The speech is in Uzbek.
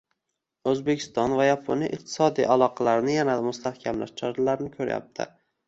O‘zbekiston va Yaponiya iqtisodiy aloqalarni yanada mustahkamlash choralarini ko‘ryapti